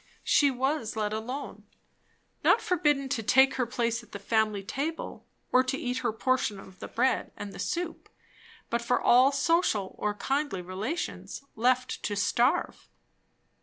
She was let alone. Not forbidden to take her place at the family table, or to eat her portion of the bread and the soup; but for all social or kindly relations, left to starve.